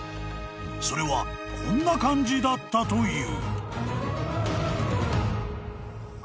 ［それはこんな感じだったという］